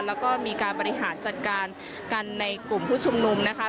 แล้วก็มีการบริหารจัดการกันในกลุ่มผู้ชุมนุมนะคะ